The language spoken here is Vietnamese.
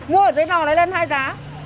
mua ở giấy lò này lên hai giá